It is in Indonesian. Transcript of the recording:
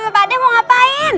pak d mau ngapain